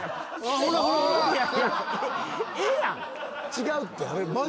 違うって。